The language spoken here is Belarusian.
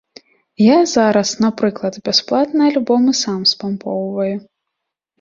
Я зараз, напрыклад, бясплатна альбомы сам спампоўваю.